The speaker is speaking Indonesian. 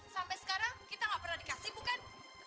sampe sekarang kita gak pernah dikasih bukan